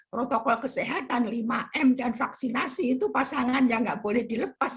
pokok kesehatan lima m dan vaksinasi itu pasangannya tidak boleh dilepas